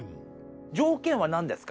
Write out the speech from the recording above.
条件はなんですか？